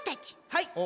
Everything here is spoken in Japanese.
はい！